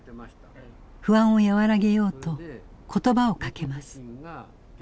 不安を和らげようと言葉をかけます。